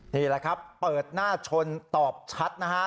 นี่แหละครับเปิดหน้าชนตอบชัดนะฮะ